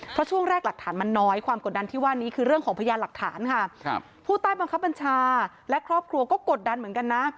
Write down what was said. เพราะช่วงแรกหลักฐานมันน้อยความกดดันที่ว่านี้คือเรื่องของพยานหลักฐานค่ะครับผู้ใต้บังคับบัญชาและครอบครัวก็กดดันเหมือนกันนะ